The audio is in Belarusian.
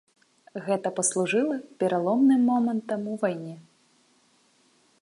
Гэта паслужыла пераломным момантам у вайне.